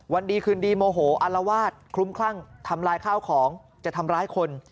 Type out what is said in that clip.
วันดีคืนดีโมโหอารวาสคลุ้มคลั่งทำลายข้าวของจะทำร้ายคน